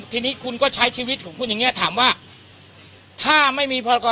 ทีนี้คุณก็ใช้ชีวิตของคุณอย่างนี้ถามว่าถ้าไม่มีพรกร